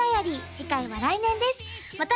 次回は来年ですまた